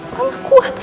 mama kuat sa